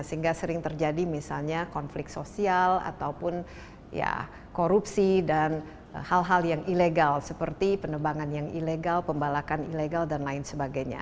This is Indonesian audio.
sehingga sering terjadi misalnya konflik sosial ataupun korupsi dan hal hal yang ilegal seperti penebangan yang ilegal pembalakan ilegal dan lain sebagainya